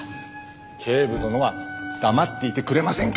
警部殿は黙っていてくれませんか！